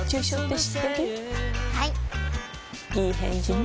いい返事ね